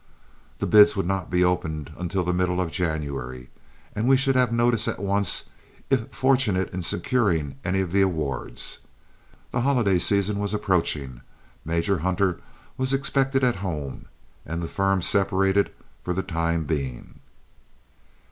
The bids would not be opened until the middle of January, and we should have notice at once if fortunate in securing any of the awards. The holiday season was approaching, Major Hunter was expected at home, and the firm separated for the time being.